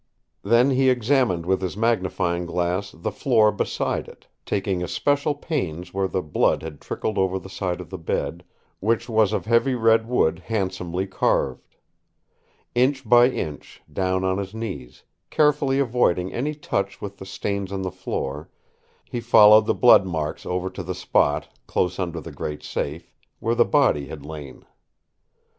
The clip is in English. Then he examined with his magnifying glass the floor beside it, taking especial pains where the blood had trickled over the side of the bed, which was of heavy red wood handsomely carved. Inch by inch, down on his knees, carefully avoiding any touch with the stains on the floor, he followed the blood marks over to the spot, close under the great safe, where the body had lain.